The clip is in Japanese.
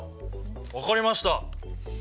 分かりました。